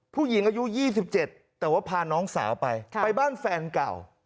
ผู้หญิงอายุ๒๗แต่ว่าพาน้องสาวไปไปบ้านแฟนเก่า